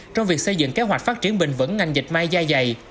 trong việc xây dựng kế hoạch phát triển bình vẩn ngành dịch may da dày